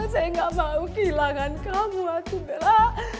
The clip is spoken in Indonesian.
saya gak mau kehilangan kamu aku bella